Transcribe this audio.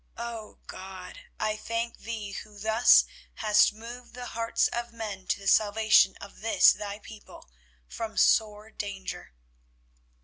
O God! I thank Thee Who thus hast moved the hearts of men to the salvation of this Thy people from sore danger."